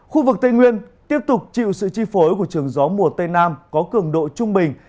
khu vực tây nguyên tiếp tục chịu sự chi phối của trường gió mùa tây nam có cường độ trung bình